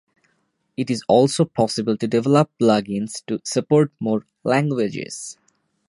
It is also possible to develop plug-ins to support more languages.